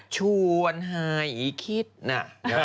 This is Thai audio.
ชวนหายคิดนะ